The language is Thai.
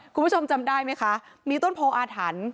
คุณผู้ชมจำได้ไหมคะมีต้นโพออาถรรพ์